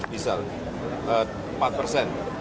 bisa empat persen